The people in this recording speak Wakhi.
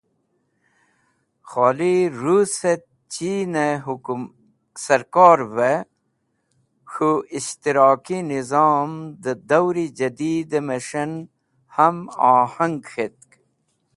Kholi Russ et Cheene Sarkorve K̃hu Ishtiraki Nizom de Dauri Jadied e Mes̃han Ham Ahang K̃hetk.